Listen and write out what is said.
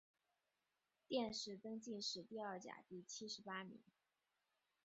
殿试登进士第二甲第七十八名。